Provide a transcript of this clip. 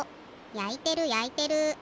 やいてるやいてる。